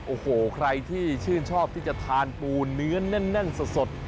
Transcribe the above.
โอ้โหใครที่ชื่นชอบที่จะทานปูเนื้อแน่นสด